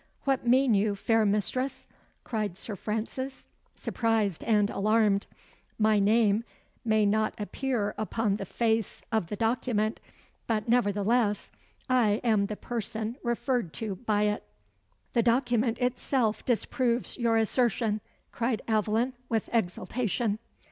"What mean you, fair mistress?" cried Sir Francis, surprised and alarmed. "My name may not appear upon the face of the document; but, nevertheless, I am the person referred to by it." "The document itself disproves your assertion," cried Aveline, with exultation.